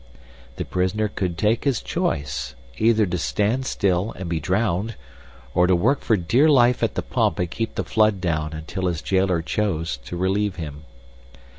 The prisoner could take his choice, either to stand still and be drowned or to work for dear life at the pump and keep the flood down until his jailer chose to relieve him.